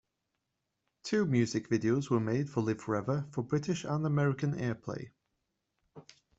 Two music videos were made for "Live Forever" for British and American airplay.